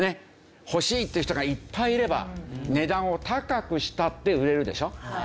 欲しいっていう人がいっぱいいれば値段を高くしたって売れるでしょ？